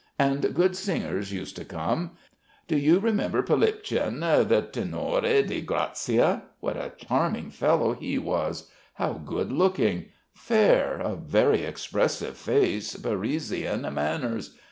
And good singers used to come. Do you remember Prilipchin, the tenore di grazia? What a charming fellow he was! How good looking! Fair ... a very expressive face, Parisian manners....